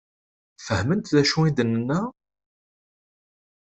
Fehment d acu i d-nenna?